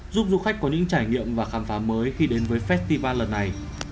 giúp du khách có những trải nghiệm và khám phá mới khi đến với festival lần này